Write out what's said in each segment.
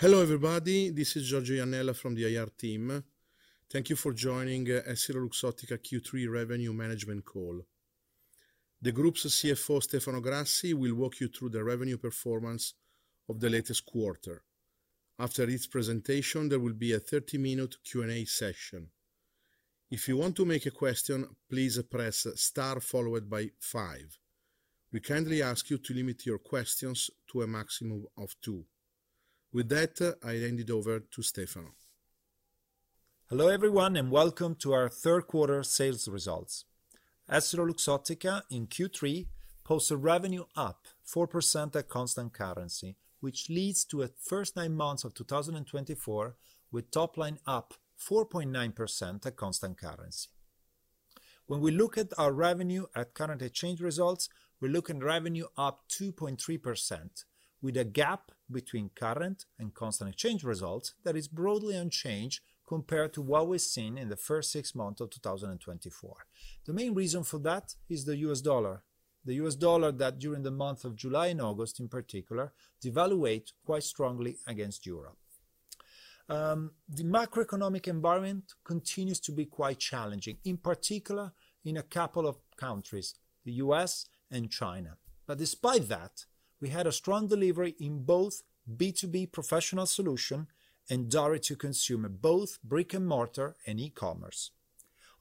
Hello, everybody. This is Giorgio Iannella from the IR team. Thank you for joining EssilorLuxottica Q3 Revenue Management Call. The group's CFO, Stefano Grassi, will walk you through the revenue performance of the latest quarter. After his presentation, there will be a thirty-minute Q&A session. If you want to make a question, please press star followed by five. We kindly ask you to limit your questions to a maximum of two. With that, I hand it over to Stefano. Hello, everyone, and welcome to our Third Quarter Sales Results. EssilorLuxottica, in Q3, posts a revenue up 4% at constant currency, which leads to a first nine months of 2024, with top line up 4.9% at constant currency. When we look at our revenue at current exchange results, we're looking revenue up 2.3%, with a gap between current and constant exchange results that is broadly unchanged compared to what we've seen in the first six months of 2024. The main reason for that is the U.S. dollar. The U.S. dollar, that during the month of July and August, in particular, devalued quite strongly against Europe. The macroeconomic environment continues to be quite challenging, in particular in a couple of countries, the U.S. and China. But despite that, we had a strong delivery in both B2B Professional Solutions and Direct-to-Consumer, both brick-and-mortar and e-commerce.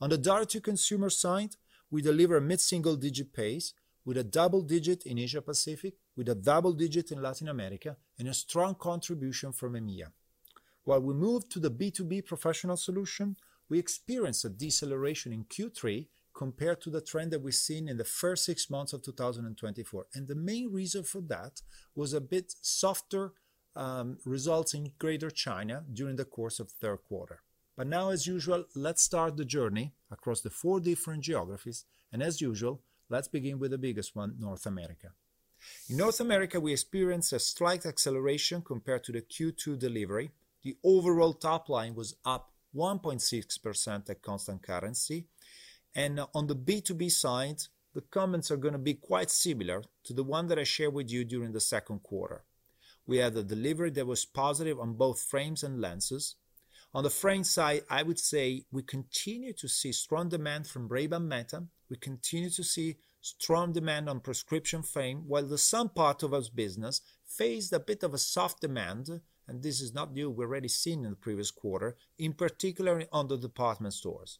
On the Direct-to-Consumer side, we deliver a mid-single-digit pace, with a double digit in Asia Pacific, with a double digit in Latin America, and a strong contribution from EMEA. While we move to the B2B Professional Solutions, we experienced a deceleration in Q3 compared to the trend that we've seen in the first six months of 2024, and the main reason for that was a bit softer results in Greater China during the course of the third quarter. But now, as usual, let's start the journey across the four different geographies, and as usual, let's begin with the biggest one, North America. In North America, we experienced a slight acceleration compared to the Q2 delivery. The overall top line was up 1.6% at constant currency, and on the B2B side, the comments are gonna be quite similar to the one that I shared with you during the second quarter. We had a delivery that was positive on both frames and lenses. On the frame side, I would say we continue to see strong demand from Ray-Ban Meta. We continue to see strong demand on prescription frame, while the sun part of our business faced a bit of a soft demand, and this is not new, we've already seen in the previous quarter, in particular on the department stores.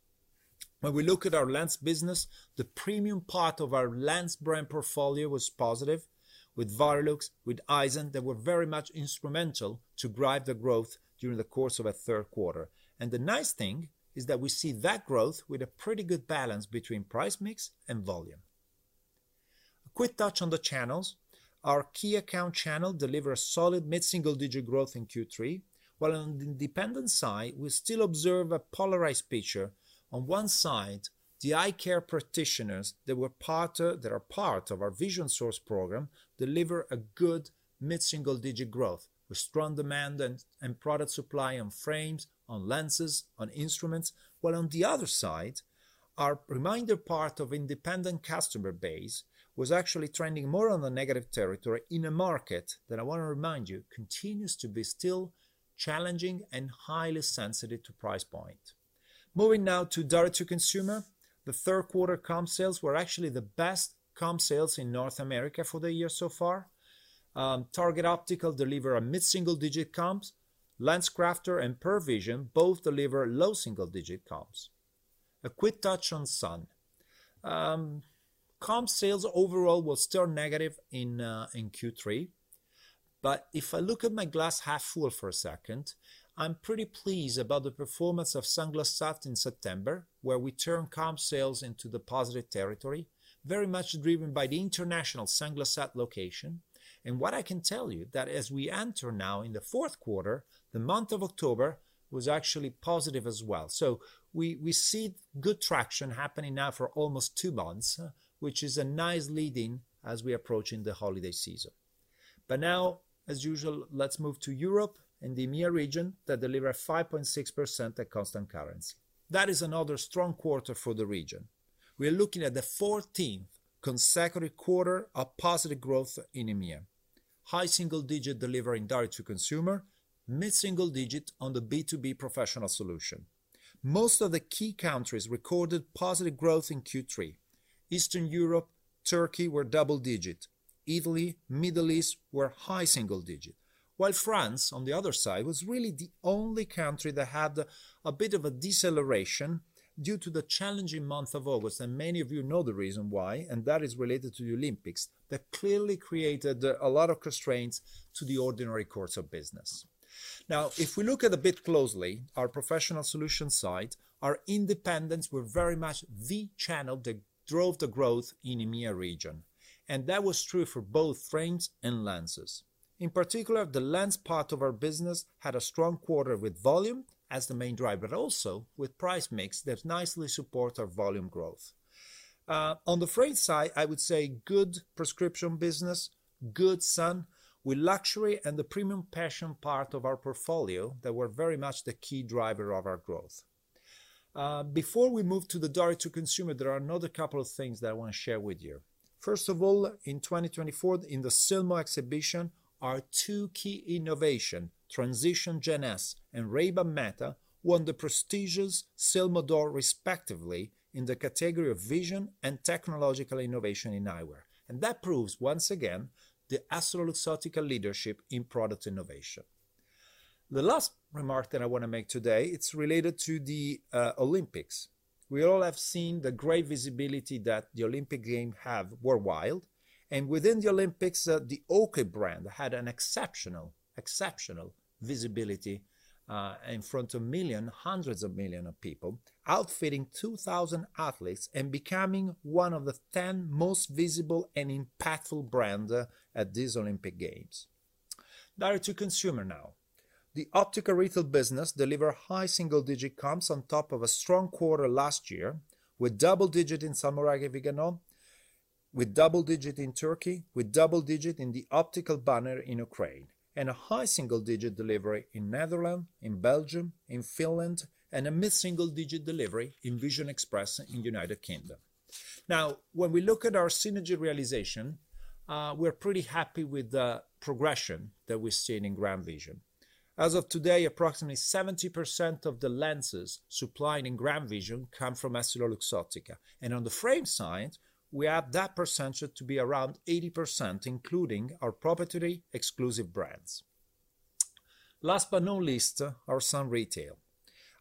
When we look at our lens business, the premium part of our lens brand portfolio was positive, with Varilux, with Eyezen, they were very much instrumental to drive the growth during the course of our third quarter. And the nice thing is that we see that growth with a pretty good balance between price mix and volume. A quick touch on the channels. Our key account channel deliver a solid mid-single-digit growth in Q3, while on the independent side, we still observe a polarized picture. On one side, the eye care practitioners that are part of our Vision Source program, deliver a good mid-single-digit growth, with strong demand and product supply on frames, on lenses, on instruments, while on the other side, our remaining part of independent customer base was actually trending more on the negative territory in a market that I want to remind you, continues to be still challenging and highly sensitive to price point. Moving now to Direct-to-Consumer. The third quarter comp sales were actually the best comp sales in North America for the year so far. Target Optical deliver a mid-single-digit comps. LensCrafters and Pearle Vision both deliver low single-digit comps. A quick touch on sun. Comp sales overall was still negative in Q3, but if I look at my glass half full for a second, I'm pretty pleased about the performance of Sunglass Hut in September, where we turned comp sales into the positive territory, very much driven by the international Sunglass Hut location, and what I can tell you, that as we enter now in the fourth quarter, the month of October was actually positive as well, so we see good traction happening now for almost two months, which is a nice lead-in as we approach in the holiday season, but now, as usual, let's move to Europe and the EMEA region that deliver 5.6% at constant currency. That is another strong quarter for the region. We are looking at the fourteenth consecutive quarter of positive growth in EMEA. High single-digit delivering Direct-to-Consumer, mid-single-digit on the B2B Professional Solutions. Most of the key countries recorded positive growth in Q3. Eastern Europe, Turkey were double-digit. Italy, Middle East were high single-digit. While France, on the other side, was really the only country that had a bit of a deceleration due to the challenging month of August, and many of you know the reason why, and that is related to the Olympics. That clearly created a lot of constraints to the ordinary course of business. Now, if we look a bit more closely at our Professional Solutions side, our independents were very much the channel that drove the growth in EMEA region, and that was true for both frames and lenses. In particular, the lens part of our business had a strong quarter with volume as the main driver, but also with price mix that nicely support our volume growth. On the frame side, I would say good prescription business, good sun, with luxury and the premium fashion part of our portfolio that were very much the key driver of our growth. Before we move to the Direct-to-Consumer, there are another couple of things that I want to share with you. First of all, in 2024, in the Silmo Exhibition, our two key innovation, Transitions GEN S and Ray-Ban Meta, won the prestigious Silmo d'Or respectively, in the category of vision and technological innovation in eyewear. And that proves, once again, the EssilorLuxottica leadership in product innovation. The last remark that I want to make today, it's related to the Olympics. We all have seen the great visibility that the Olympic Games have worldwide, and within the Olympics, the Oakley brand had an exceptional, exceptional visibility, in front of millions, hundreds of millions of people, outfitting 2,000 athletes and becoming one of the 10 most visible and impactful brands at these Olympic Games. Direct-to-Consumer now. The optical retail business deliver high single-digit comps on top of a strong quarter last year, with double-digit in Salmoiraghi & Viganò, with double-digit in Turkey, with double-digit in the optical banner in Ukraine, and a high single-digit delivery in Netherlands, in Belgium, in Finland, and a mid-single-digit delivery in Vision Express in United Kingdom. Now, when we look at our synergy realization, we're pretty happy with the progression that we're seeing in GrandVision. As of today, approximately 70% of the lenses supplied in GrandVision come from EssilorLuxottica, and on the frame side, we have that percentage to be around 80%, including our proprietary exclusive brands. Last but not least, our sun retail.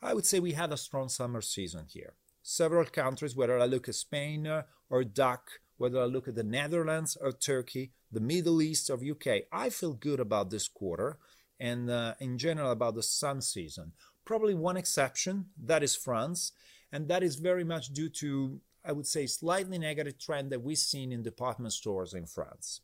I would say we had a strong summer season here. Several countries, whether I look at Spain or DACH, whether I look at the Netherlands or Turkey, the Middle East or U.K, I feel good about this quarter and in general about the sun season. Probably one exception, that is France, and that is very much due to, I would say, slightly negative trend that we've seen in department stores in France.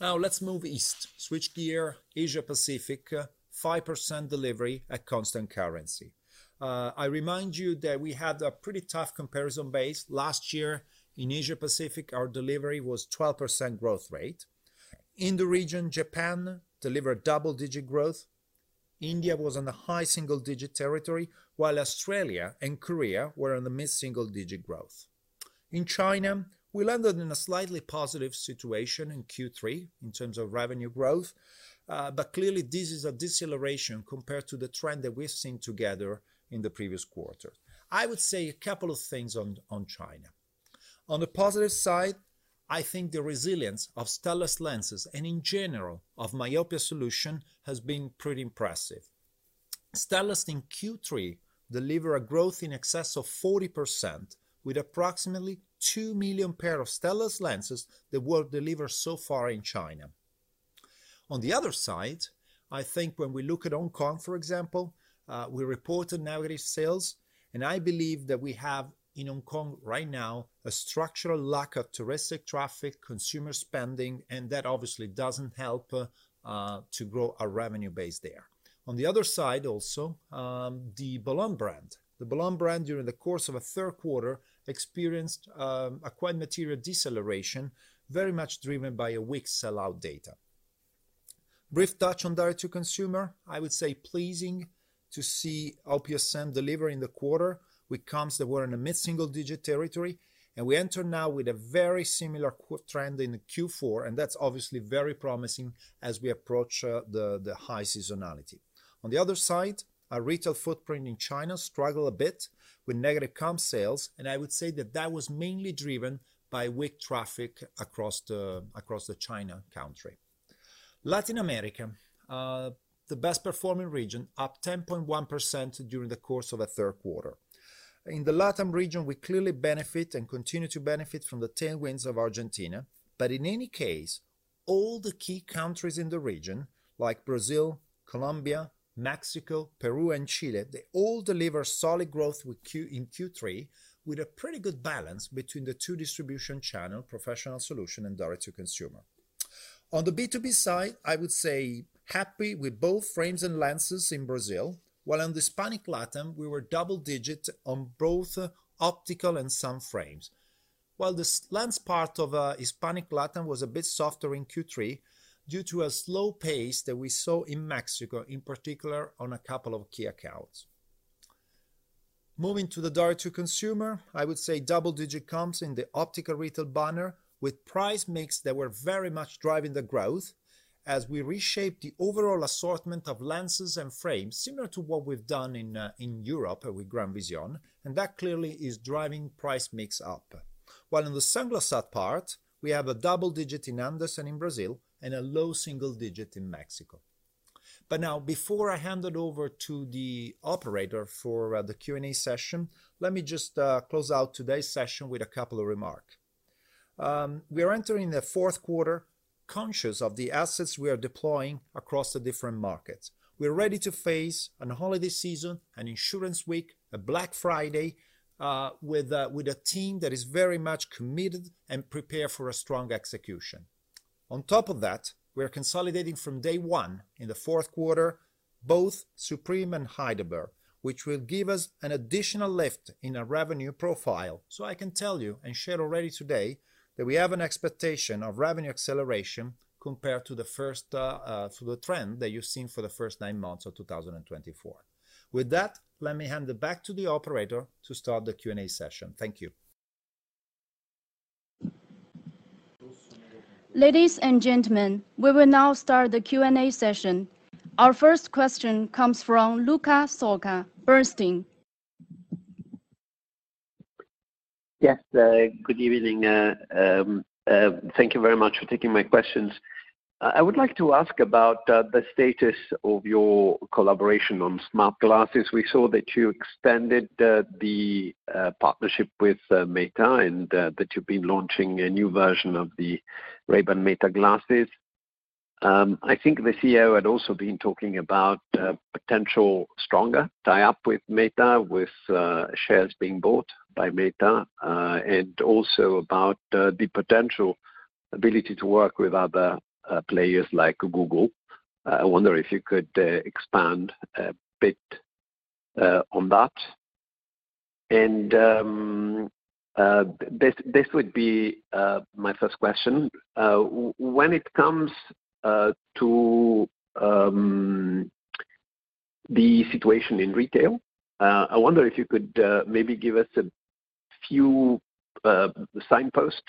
Now, let's move east. Switch gear, Asia Pacific, 5% delivery at constant currency. I remind you that we had a pretty tough comparison base. Last year in Asia Pacific, our delivery was 12% growth rate. In the region, Japan delivered double-digit growth. India was on a high single-digit territory, while Australia and Korea were on the mid-single digit growth. In China, we landed in a slightly positive situation in Q3 in terms of revenue growth, but clearly, this is a deceleration compared to the trend that we've seen together in the previous quarter. I would say a couple of things on China. On the positive side, I think the resilience of Stellest lenses, and in general of myopia solution, has been pretty impressive. Stellest in Q3 deliver a growth in excess of 40%, with approximately 2 million pair of Stellest lenses that were delivered so far in China. On the other side, I think when we look at Hong Kong, for example, we reported negative sales, and I believe that we have in Hong Kong right now a structural lack of touristic traffic, consumer spending, and that obviously doesn't help to grow our revenue base there. On the other side, also, the Balmain brand. The Balmain brand, during the course of a third quarter, experienced a quite material deceleration, very much driven by a weak sellout data. Brief touch on Direct-to-Consumer, I would say pleasing to see OPSM deliver in the quarter with comps that were in a mid-single digit territory, and we enter now with a very similar quarter trend in the Q4, and that's obviously very promising as we approach the high seasonality. On the other side, our retail footprint in China struggle a bit with negative comp sales, and I would say that was mainly driven by weak traffic across the China country. Latin America, the best performing region, up 10.1% during the course of the third quarter. In the LatAm region, we clearly benefit and continue to benefit from the tailwinds of Argentina. But in any case, all the key countries in the region, like Brazil, Colombia, Mexico, Peru and Chile, they all deliver solid growth in Q3, with a pretty good balance between the two distribution channel, Professional Solutions and Direct-to-Consumer. On the B2B side, I would say happy with both frames and lenses in Brazil, while on the Hispanic LatAm, we were double digit on both optical and sun frames. While the soft lens part of Hispanic LatAm was a bit softer in Q3 due to a slow pace that we saw in Mexico, in particular on a couple of key accounts. Moving to the Direct-to-Consumer, I would say double digit comps in the optical retail banner, with price mix that were very much driving the growth as we reshape the overall assortment of lenses and frames, similar to what we've done in Europe with GrandVision, and that clearly is driving price mix up. While in the Sunglass Hut part, we have a double digit in Andes and in Brazil, and a low single digit in Mexico. But now, before I hand it over to the operator for the Q&A session, let me just close out today's session with a couple of remarks. We are entering the fourth quarter, conscious of the assets we are deploying across the different markets. We're ready to face a holiday season, and insurance week, a Black Friday, with a team that is very much committed and prepared for a strong execution. On top of that, we are consolidating from day one in the fourth quarter, both Supreme and Heidelberg, which will give us an additional lift in our revenue profile. So I can tell you, and share already today, that we have an expectation of revenue acceleration compared to the first, to the trend that you've seen for the first nine months of 2024. With that, let me hand it back to the operator to start the Q&A session. Thank you. ... Ladies and gentlemen, we will now start the Q&A session. Our first question comes from Luca Solca, Bernstein. Yes, good evening, thank you very much for taking my questions. I would like to ask about the status of your collaboration on smart glasses. We saw that you extended the partnership with Meta, and that you've been launching a new version of the Ray-Ban Meta glasses. I think the CEO had also been talking about potential stronger tie-up with Meta, with shares being bought by Meta, and also about the potential ability to work with other players like Google. I wonder if you could expand a bit on that? And this would be my first question. When it comes to the situation in retail, I wonder if you could maybe give us a few signposts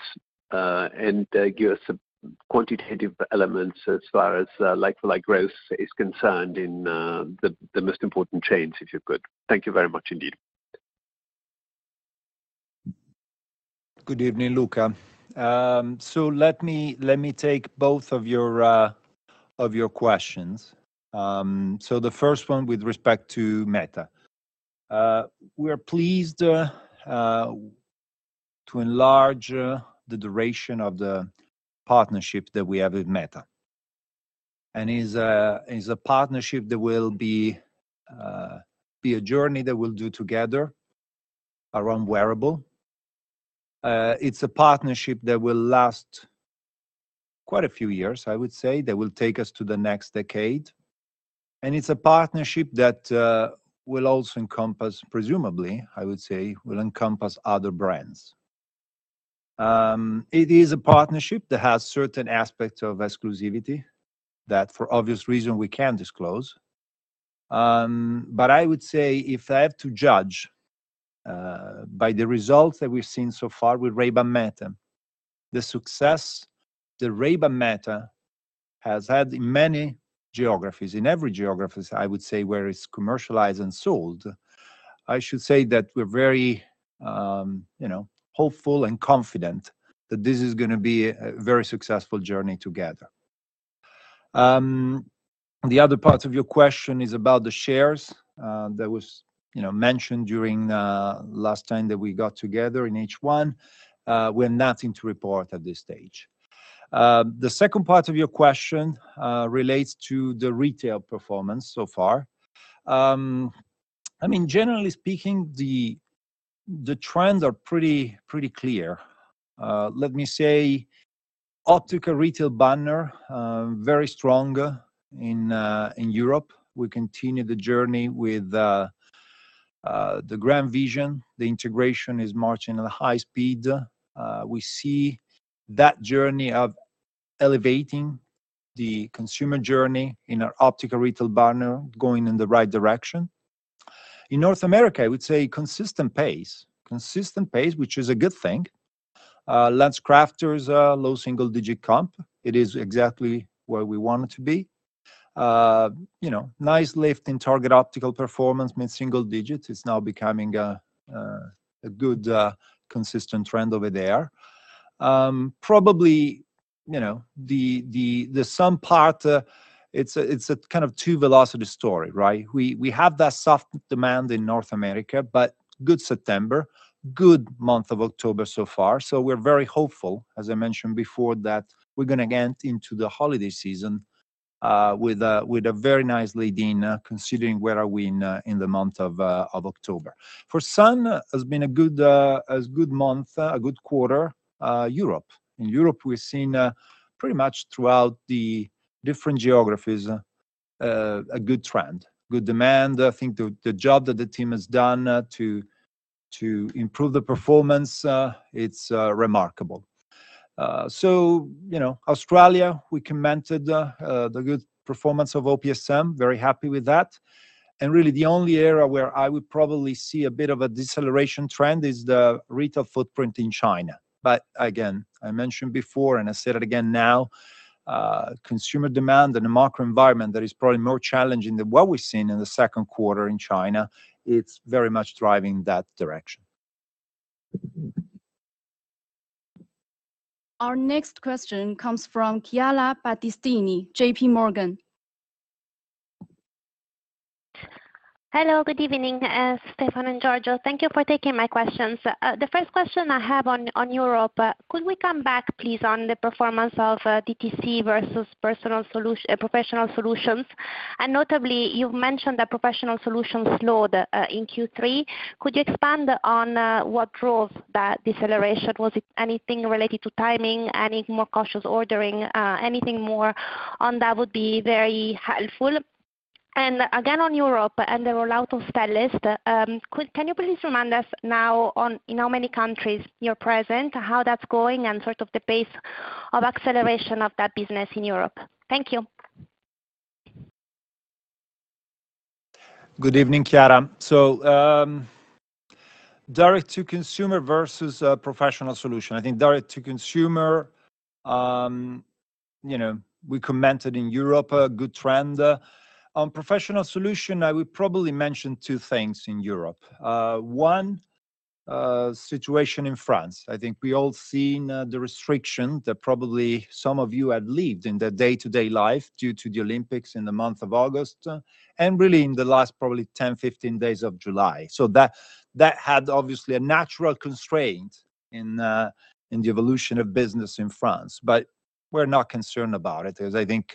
and give us some quantitative elements as far as like for like growth is concerned in the most important chains, if you could. Thank you very much indeed. Good evening, Luca. So let me take both of your questions. So the first one with respect to Meta. We are pleased to enlarge the duration of the partnership that we have with Meta and is a partnership that will be a journey that we'll do together around wearable. It's a partnership that will last quite a few years, I would say, that will take us to the next decade, and it's a partnership that will also encompass, presumably, I would say, will encompass other brands. It is a partnership that has certain aspects of exclusivity, that for obvious reason, we can't disclose. But I would say if I have to judge by the results that we've seen so far with Ray-Ban Meta, the success that Ray-Ban Meta has had in many geographies, in every geographies, I would say, where it's commercialized and sold, I should say that we're very, you know, hopeful and confident that this is gonna be a very successful journey together. The other part of your question is about the shares that was, you know, mentioned during last time that we got together in H1. We have nothing to report at this stage. The second part of your question relates to the retail performance so far. I mean, generally speaking, the trends are pretty clear. Let me say, optical retail banner very strong in Europe. We continue the journey with the GrandVision. The integration is marching at a high speed. We see that journey of elevating the consumer journey in our optical retail banner going in the right direction. In North America, I would say consistent pace. Consistent pace, which is a good thing. LensCrafters low single-digit comp. It is exactly where we want it to be. You know, nice lift in Target Optical performance, mid-single digits. It's now becoming a good consistent trend over there. Probably, you know, the Sunglass part, it's a kind of two velocity story, right? We have that soft demand in North America, but good September, good month of October so far, so we're very hopeful, as I mentioned before, that we're gonna get into the holiday season with a very nice lead in, considering where are we in the month of October. For Sunglass Hut has been a good month, a good quarter. Europe. In Europe, we've seen pretty much throughout the different geographies a good trend, good demand. I think the job that the team has done to improve the performance it's remarkable. So, you know, Australia, we commented the good performance of OPSM, very happy with that. And really, the only area where I would probably see a bit of a deceleration trend is the retail footprint in China. But again, I mentioned before, and I say it again now, consumer demand and the macro environment that is probably more challenging than what we've seen in the second quarter in China is very much driving that direction. Our next question comes from Chiara Battistini, J.P. Morgan. Hello, good evening, Stefano and Giorgio. Thank you for taking my questions. The first question I have on Europe, could we come back, please, on the performance of DTC versus Professional Solutions? And notably, you've mentioned that Professional Solutions slowed in Q3. Could you expand on what drove that deceleration? Was it anything related to timing, any more cautious ordering? Anything more on that would be very helpful. And again, on Europe and the rollout of Stellest, could you please remind us now, in how many countries you're present, how that's going, and sort of the pace of acceleration of that business in Europe? Thank you.... Good evening, Chiara. So direct to consumer versus professional solution. I think direct to consumer, you know, we commented in Europe, a good trend. On professional solution, I would probably mention two things in Europe. One, situation in France, I think we all seen the restriction that probably some of you had lived in the day-to-day life due to the Olympics in the month of August, and really in the last probably 10, 15 days of July. So that had obviously a natural constraint in the evolution of business in France. But we're not concerned about it, as I think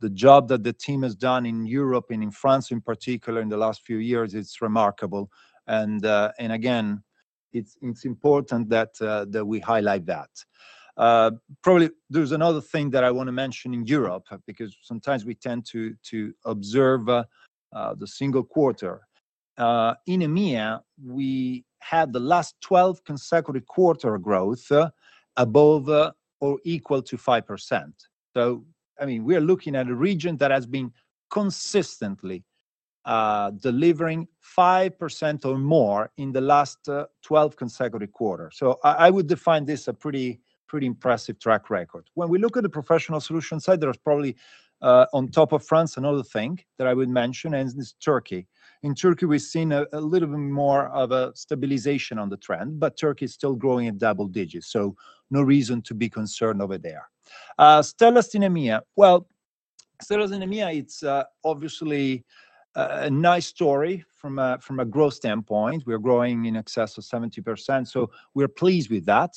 the job that the team has done in Europe and in France in particular in the last few years, it's remarkable. And again, it's important that we highlight that. Probably there's another thing that I wanna mention in Europe, because sometimes we tend to observe the single quarter. In EMEA, we had the last twelve consecutive quarter growth above or equal to 5%. So, I mean, we are looking at a region that has been consistently delivering 5% or more in the last twelve consecutive quarters. So I would define this a pretty impressive track record. When we look at the Professional Solutions side, there is probably on top of France, another thing that I would mention, and it's Turkey. In Turkey, we've seen a little bit more of a stabilization on the trend, but Turkey is still growing in double digits, so no reason to be concerned over there. Stellest in EMEA. Stellest in EMEA, it's obviously a nice story from a growth standpoint. We're growing in excess of 70%, so we're pleased with that.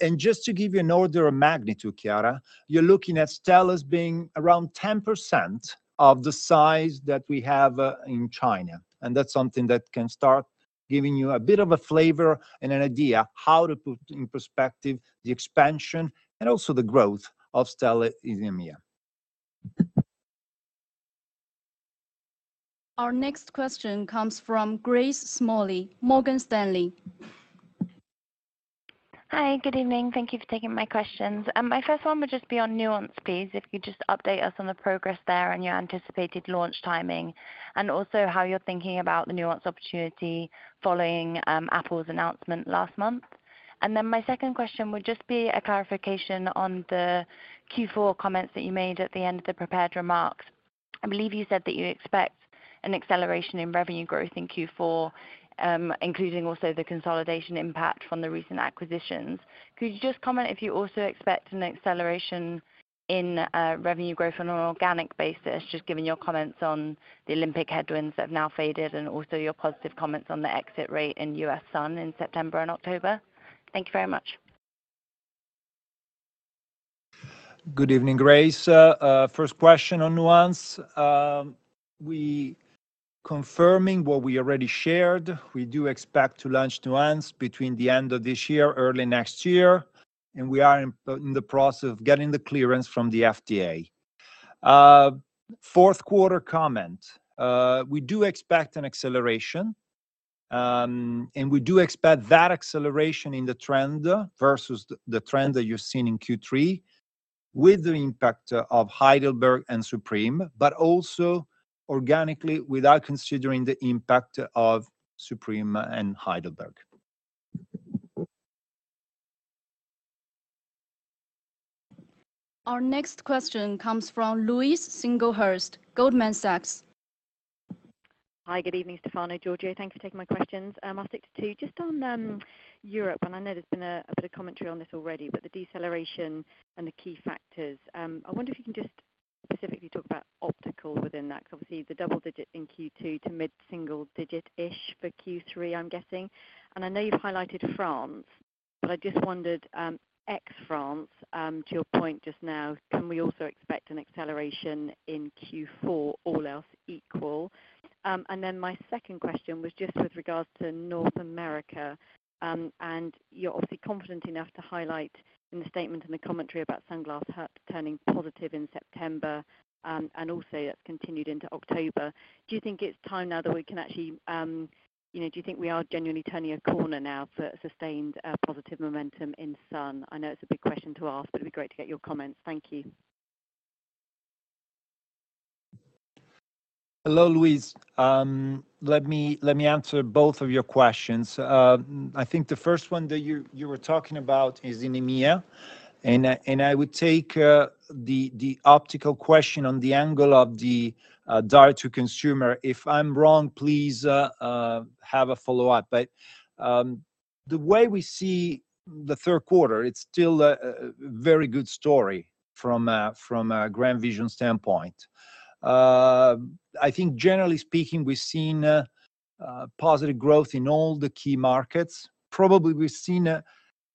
And just to give you an order of magnitude, Chiara, you're looking at Stellest as being around 10% of the size that we have in China, and that's something that can start giving you a bit of a flavor and an idea how to put in perspective the expansion and also the growth of Stellest in EMEA. Our next question comes from Grace Smalley, Morgan Stanley. Hi, good evening. Thank you for taking my questions. My first one would just be on Nuance, please, if you just update us on the progress there and your anticipated launch timing, and also how you're thinking about the Nuance opportunity following Apple's announcement last month, and then my second question would just be a clarification on the Q4 comments that you made at the end of the prepared remarks. I believe you said that you expect an acceleration in revenue growth in Q4, including also the consolidation impact from the recent acquisitions. Could you just comment if you also expect an acceleration in revenue growth on an organic basis, just given your comments on the Olympic headwinds that have now faded, and also your positive comments on the exit rate in U.S. Sun in September and October? Thank you very much. Good evening, Grace. First question on Nuance. We confirming what we already shared. We do expect to launch Nuance between the end of this year, early next year, and we are in the process of getting the clearance from the FDA. Fourth quarter comment, we do expect an acceleration, and we do expect that acceleration in the trend versus the trend that you've seen in Q3 with the impact of Heidelberg and Supreme, but also organically, without considering the impact of Supreme and Heidelberg. Our next question comes from Louise Singlehurst, Goldman Sachs. Hi, good evening, Stefano, Giorgio. Thank you for taking my questions. I'll stick to two. Just on Europe, and I know there's been a bit of commentary on this already, but the deceleration and the key factors, I wonder if you can just specifically talk about optical within that, because obviously, the double digit in Q2 to mid-single digit-ish for Q3, I'm guessing. And I know you've highlighted France, but I just wondered, ex France, to your point just now, can we also expect an acceleration in Q4, all else equal? And then my second question was just with regards to North America, and you're obviously confident enough to highlight in the statement and the commentary about Sunglass Hut turning positive in September, and also that's continued into October. Do you think it's time now that we can actually... You know, do you think we are genuinely turning a corner now for sustained, positive momentum in sun? I know it's a big question to ask, but it'd be great to get your comments. Thank you. Hello, Louise. Let me answer both of your questions. I think the first one that you were talking about is in EMEA, and I would take the optical question on the angle of the direct to consumer. If I'm wrong, please have a follow-up. But the way we see the third quarter, it's still a very good story from a GrandVision standpoint. I think generally speaking, we've seen positive growth in all the key markets. Probably, we've seen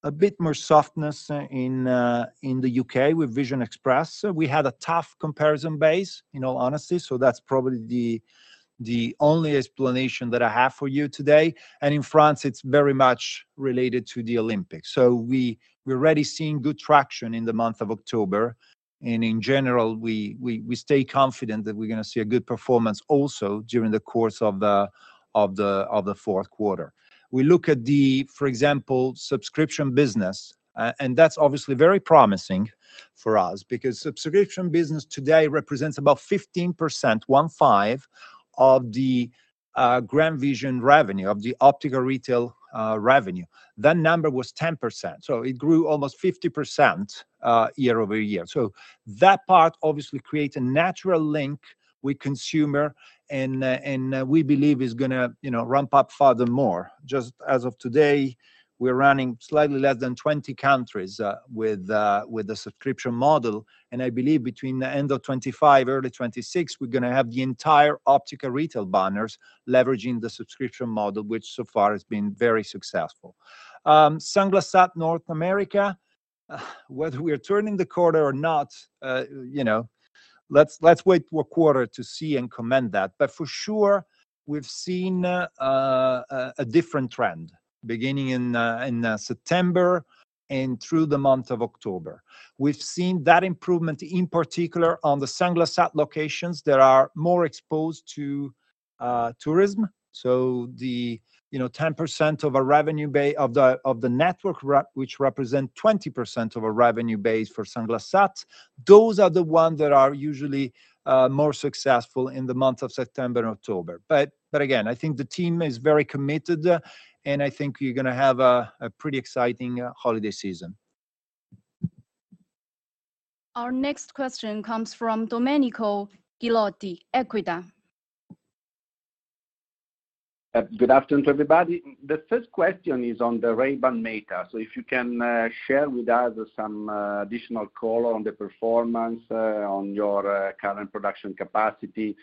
a bit more softness in the U.K. with Vision Express. We had a tough comparison base, in all honesty, so that's probably the only explanation that I have for you today. And in France, it's very much related to the Olympics. We're already seeing good traction in the month of October, and in general, we stay confident that we're gonna see a good performance also during the course of the fourth quarter. We look at, for example, the subscription business, and that's obviously very promising for us, because the subscription business today represents about 15%, one five, of the GrandVision revenue, of the optical retail revenue. That number was 10%, so it grew almost 50% year-over-year. That part obviously creates a natural link with consumer, and we believe it's gonna, you know, ramp up further more. Just as of today, we're running slightly less than 20 countries with the subscription model, and I believe between the end of 2025, early 2026, we're gonna have the entire optical retail banners leveraging the subscription model, which so far has been very successful. Sunglass Hut North America, whether we are turning the corner or not, you know, let's wait for a quarter to see and comment that. But for sure, we've seen a different trend, beginning in September and through the month of October. We've seen that improvement, in particular, on the Sunglass Hut locations that are more exposed to tourism. So, you know, 10% of our revenue base... of the network reps which represent 20% of our revenue base for Sunglass Hut, those are the ones that are usually more successful in the month of September and October. But again, I think the team is very committed, and I think you're gonna have a pretty exciting holiday season. Our next question comes from Domenico Ghilotti, Equita. Good afternoon to everybody. The first question is on the Ray-Ban Meta. So if you can share with us some additional color on the performance on your current production capacity,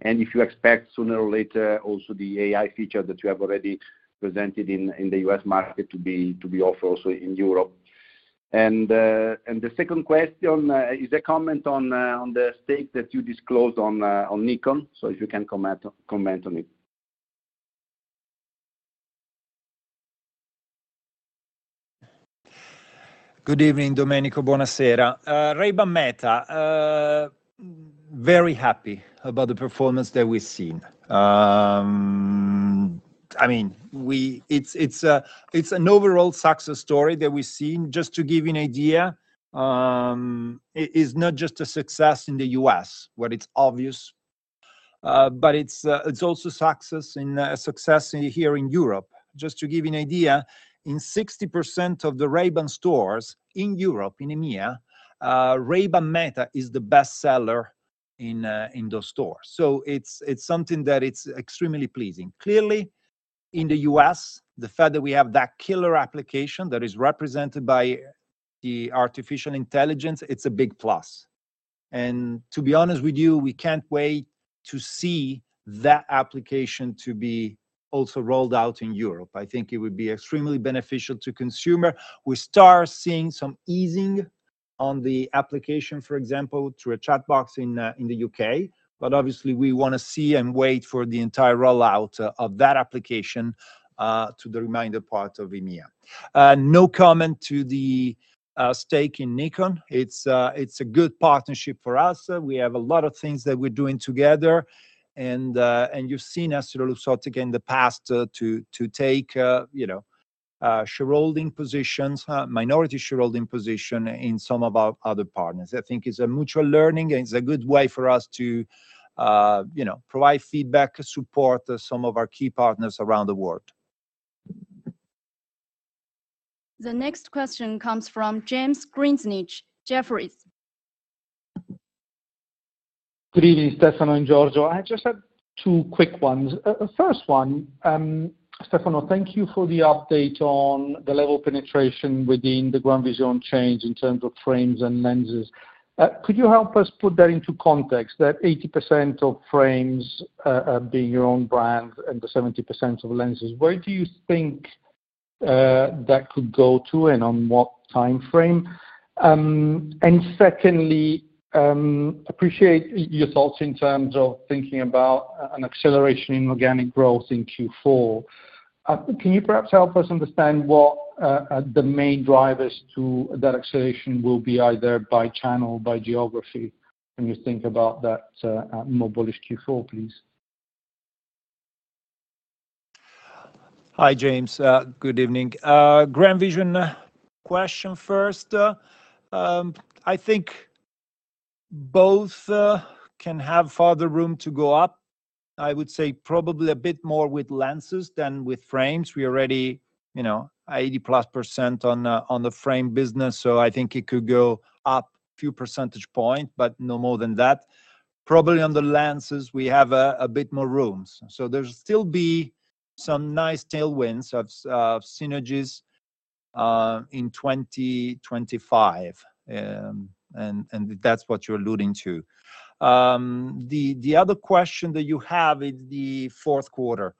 and if you expect sooner or later also the AI feature that you have already presented in the U.S. market to be offered also in Europe. And the second question is a comment on the stake that you disclosed on Nikon. So if you can comment on it. Good evening, Domenico. Buonasera. Ray-Ban Meta, very happy about the performance that we've seen. I mean, it's an overall success story that we've seen. Just to give you an idea, it is not just a success in the U.S., where it's obvious, but it's also success here in Europe. Just to give you an idea, in 60% of the Ray-Ban stores in Europe, in EMEA, Ray-Ban Meta is the best seller in those stores. So it's something that it's extremely pleasing. Clearly, in the U.S., the fact that we have that killer application that is represented by the artificial intelligence, it's a big plus. And to be honest with you, we can't wait to see that application to be also rolled out in Europe. I think it would be extremely beneficial to consumer. We start seeing some easing on the application, for example, through a chatbot in the U.K., but obviously, we wanna see and wait for the entire rollout of that application to the remainder part of EMEA. No comment to the stake in Nikon. It's a good partnership for us. We have a lot of things that we're doing together, and you've seen EssilorLuxottica in the past to take you know shareholding positions, minority shareholding position in some of our other partners. I think it's a mutual learning, and it's a good way for us to you know provide feedback, support some of our key partners around the world. The next question comes from James Grzinic, Jefferies. Good evening, Stefano and Giorgio. I just have two quick ones. First one, Stefano, thank you for the update on the level of penetration within the GrandVision chain in terms of frames and lenses. Could you help us put that into context, that 80% of frames being your own brand and the 70% of lenses, where do you think that could go to and on what timeframe? And secondly, appreciate your thoughts in terms of thinking about an acceleration in organic growth in Q4. Can you perhaps help us understand what the main drivers to that acceleration will be, either by channel, by geography, when you think about that more bullish Q4, please? Hi, James, good evening. GrandVision question first. I think both can have further room to go up. I would say probably a bit more with lenses than with frames. We already, you know, 80%+ on the frame business, so I think it could go up a few percentage points, but no more than that. Probably on the lenses, we have a bit more room. So there'll still be some nice tailwinds of synergies in 2025, and that's what you're alluding to. The other question that you have is the fourth quarter.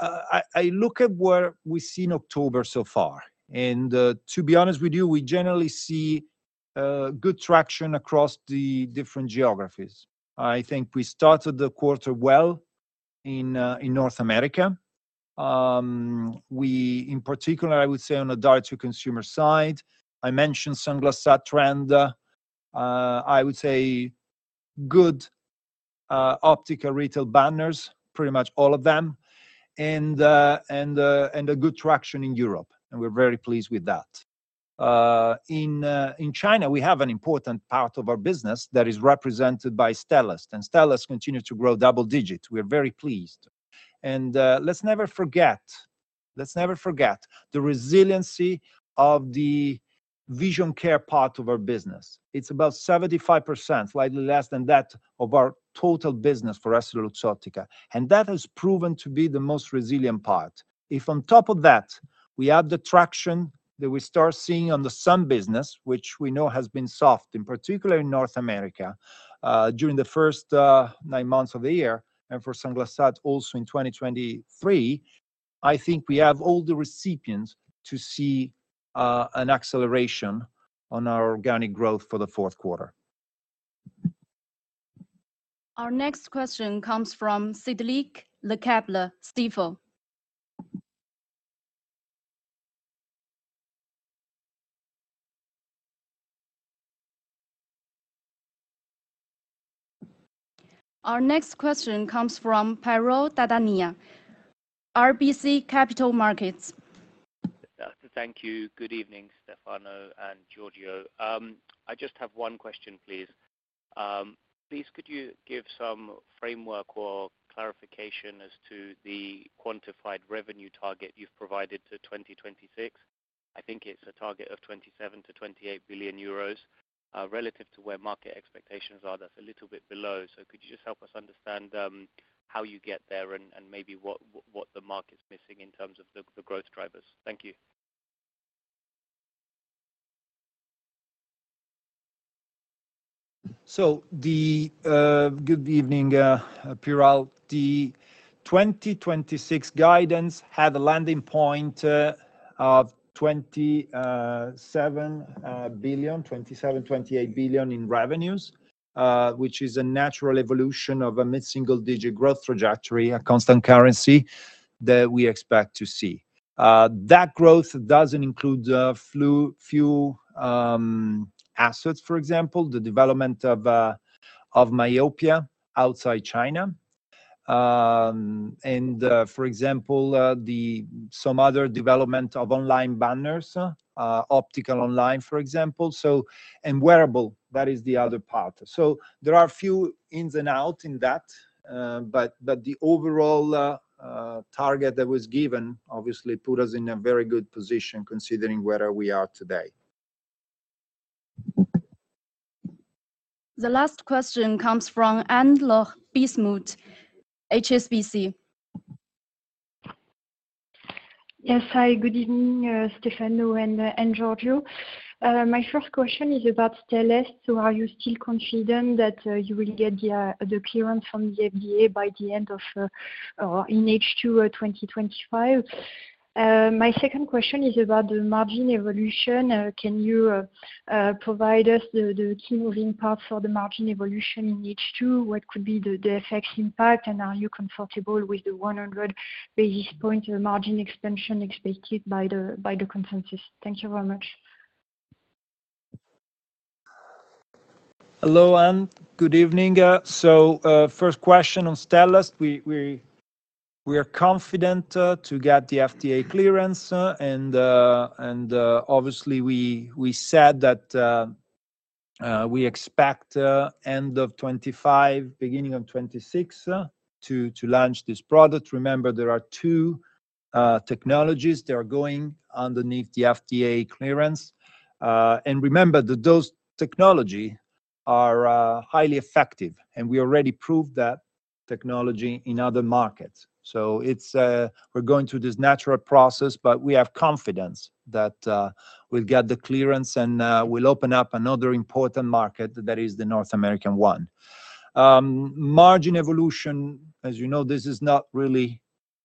I look at where we've seen October so far, and to be honest with you, we generally see good traction across the different geographies. I think we started the quarter well in North America. We, in particular, I would say on the Direct-to-Consumer side. I mentioned Sunglass Hut trend. I would say good optical retail banners, pretty much all of them, and a good traction in Europe, and we're very pleased with that. In China, we have an important part of our business that is represented by Stellest, and Stellest continues to grow double digits. We are very pleased. Let's never forget, let's never forget the resiliency of the vision care part of our business. It's about 75%, slightly less than that, of our total business for EssilorLuxottica, and that has proven to be the most resilient part. If on top of that, we add the traction that we start seeing on the sun business, which we know has been soft, in particular in North America, during the first nine months of the year, and for Sunglass Hut also in 2023, I think we have all the ingredients to see an acceleration on our organic growth for the fourth quarter. Our next question comes from Cedric Lecasble, Stifel. Our next question comes from Piral Dadhania, RBC Capital Markets. Thank you. Good evening, Stefano and Giorgio. I just have one question, please. Please, could you give some framework or clarification as to the quantified revenue target you've provided to 2026? I think it's a target of 27-28 billion euros. Relative to where market expectations are, that's a little bit below. So could you just help us understand how you get there and maybe what the market's missing in terms of the growth drivers? Thank you. Good evening, Piral. The 2026 guidance had a landing point of 27 billion-28 billion in revenues, which is a natural evolution of a mid-single-digit growth trajectory, a constant currency that we expect to see. That growth doesn't include few assets, for example, the development of myopia outside China. And, for example, the some other development of online banners, optical online, for example, so, and wearable, that is the other part. So there are a few ins and out in that, but the overall target that was given obviously put us in a very good position considering where we are today. The last question comes from Anne-Laure Bismuth, HSBC. Yes. Hi, good evening, Stefano and Giorgio. My first question is about Stellest. So are you still confident that you will get the clearance from the FDA by the end of H2 2025? My second question is about the margin evolution. Can you provide us the key moving parts for the margin evolution in H2? What could be the FX impact, and are you comfortable with the 100 basis point margin expansion expected by the consensus? Thank you very much. Hello, Anne. Good evening. So first question on Stellest, we are confident to get the FDA clearance, and obviously, we said that we expect end of 2025, beginning of 2026 to launch this product. Remember, there are two technologies that are going underneath the FDA clearance. And remember that those technology are highly effective, and we already proved that technology in other markets. So it's we're going through this natural process, but we have confidence that we'll get the clearance, and we'll open up another important market that is the North American one. Margin evolution, as you know, this is not really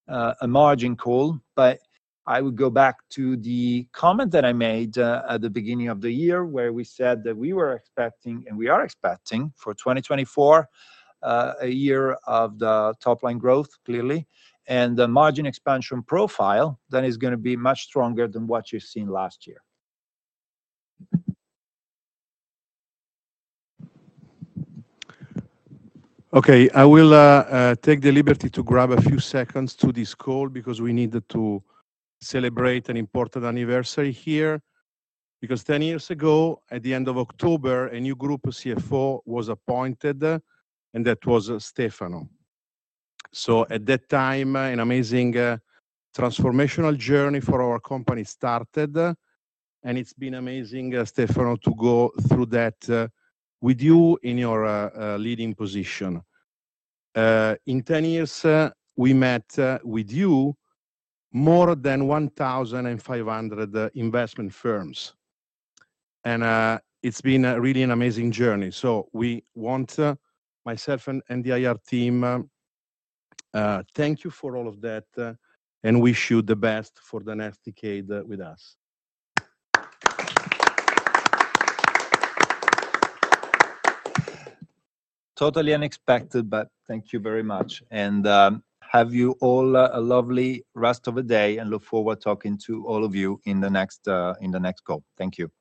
a margin call, but I would go back to the comment that I made at the beginning of the year, where we said that we were expecting, and we are expecting, for 2024 a year of the top-line growth, clearly, and the margin expansion profile, that is gonna be much stronger than what you've seen last year. Okay, I will take the liberty to grab a few seconds to this call because we needed to celebrate an important anniversary here. Because ten years ago, at the end of October, a new Group CFO was appointed, and that was Stefano. So at that time, an amazing transformational journey for our company started, and it's been amazing, Stefano, to go through that with you in your leading position. In ten years, we met with you more than 1,500 investment firms, and it's been really an amazing journey. So we want, myself and the IR team, thank you for all of that and wish you the best for the next decade with us. Totally unexpected, but thank you very much. And, have you all a lovely rest of the day, and look forward to talking to all of you in the next call. Thank you.